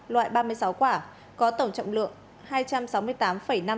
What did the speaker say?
loại ba mươi sáu quả có tổng trọng lượng